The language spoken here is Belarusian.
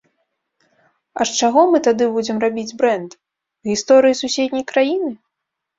А з чаго мы тады будзем рабіць брэнд, з гісторыі суседняй краіны?